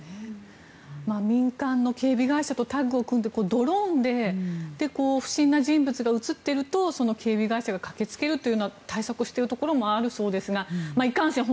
民間の警備会社とタッグを組んでドローンで不審な人物が映っていると、警備会社が駆けつけるというような対策をしているところもあるそうですがいかんせん